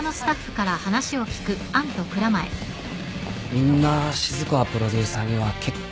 みんな静川プロデューサーには結構やられてまして。